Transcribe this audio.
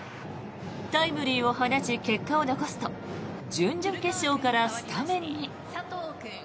タイムリーを放ち結果を残すと準々決勝からスタメンに。